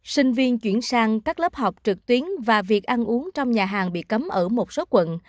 sinh viên chuyển sang các lớp học trực tuyến và việc ăn uống trong nhà hàng bị cấm ở một số quận